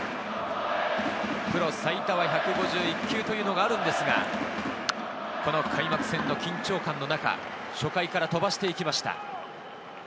プロ最多は１５１球というのがあるんですが、この開幕戦の緊張感の中、初回から飛ばしていきました。